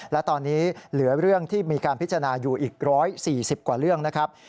และตอนนี้เหลือเรื่องที่มีการพิจารณาอยู่อีก๑๔๐กว่าเรื่องนะครับ